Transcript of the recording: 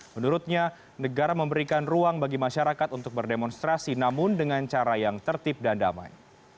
menurutnya negara memberikan ruang bagi masyarakat untuk berdemonstrasi namun dengan cara yang tertib dan damai